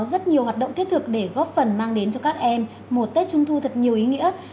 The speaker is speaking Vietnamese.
có rất nhiều hoạt động thiết thực để góp phần mang đến cho các em một tết trung thu thật nhiều ý nghĩa